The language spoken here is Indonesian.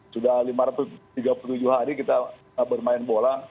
sudah lima ratus tiga puluh tujuh hari kita bermain bola